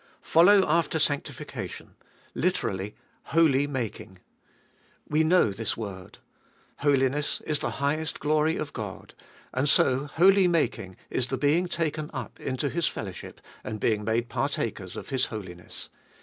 Follow after sanctiflcation, lit. " holy making." We know this word. Holiness is the highest glory of God, and so holy making is the being taken up into His fellowship, and being made partakers of His holiness.